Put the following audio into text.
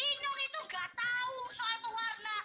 minum itu gak tahu soal pewarna